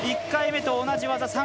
１回目と同じ技。